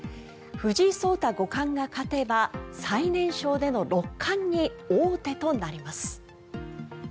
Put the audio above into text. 藤井聡太五冠が勝てば最年少での六冠に王手となります。